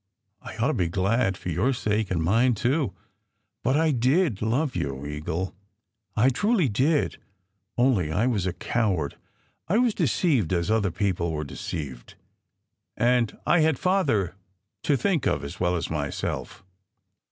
I ought to be glad, for your sake and mine, too. But I did love you, Eagle. I truly did, only I was a coward. I was deceived, as other people were deceived. And I had Father to think of as well as myself."